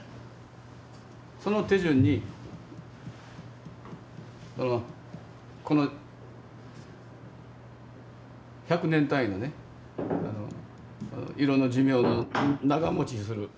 その手順にこの百年単位のね色の寿命の長もちする。